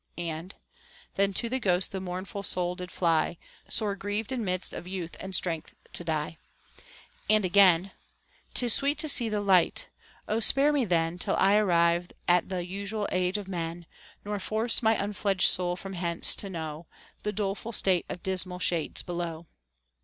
49 and, and again, Then to the ghosts the mournful soul did fly, Sore grieved in midst of youth and strength to die ;* 'Tis sweet to see the light. Ο spare me then, Till I arrive at th' usual age of men : Nor force my unfledged soul from hence, to know The doleful state of dismal shades below.